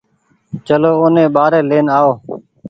چلو اوني ٻآري لين آئو